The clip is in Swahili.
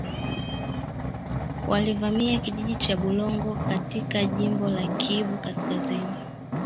Walivamia kijiji cha Bulongo katika jimbo la Kivu kaskazini .